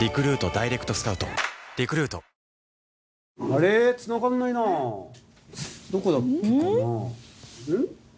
あれつながんないなどこだっけかな？